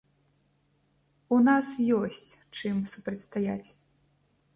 У нас ёсць чым супрацьстаяць.